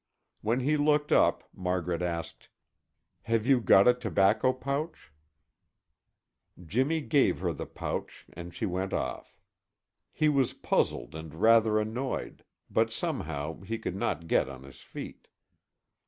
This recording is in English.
When he looked up Margaret asked: "Have you got a tobacco pouch?" Jimmy gave her the pouch and she went off. He was puzzled and rather annoyed, but somehow he could not get on his feet.